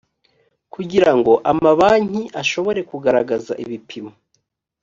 kugira ngo amabanki ashobore kugaragaza ibipimo